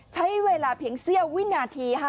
ใช้เวลาเพียงเสี้ยววินาทีค่ะ